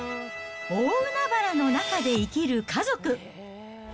大海原の中で生きる家族。